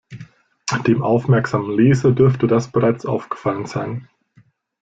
Dem aufmerksamen Leser dürfte das bereits aufgefallen sein.